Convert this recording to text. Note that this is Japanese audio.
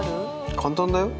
簡単だよ。